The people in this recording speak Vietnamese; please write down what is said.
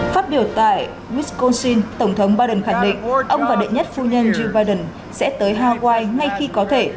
phát biểu tại wisconsin tổng thống biden khẳng định ông và đệ nhất phu nhân joe biden sẽ tới hawaii ngay khi có thể